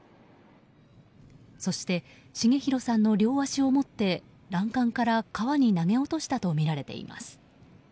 そして重弘さんの両足を持って欄干から川に投げ落としたとみられています。